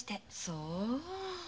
そう。